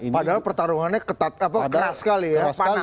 padahal pertarungannya keras sekali ya panas